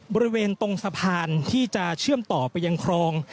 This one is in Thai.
บริเวณตรงสะพานที่จะเชื่อมต่อไปยังคลอง